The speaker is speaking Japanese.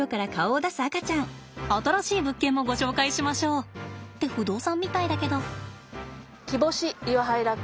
新しい物件もご紹介しましょう。って不動産みたいだけど。